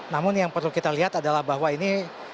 namun yang perlu kita lihat adalah bahwa ini